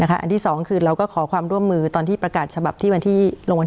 อันที่๒คือเราก็ขอความร่วมมือตอนที่ประกาศฉบับที่วันที่ลงวันที่